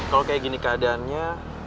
kalo kayak gini keadaannya